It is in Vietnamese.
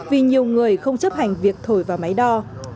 vì nhiều người không chấp hành việc thổi vào máy đo